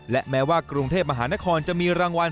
และแม้ว่ากรุงเทพมหานครจะมีรางวัล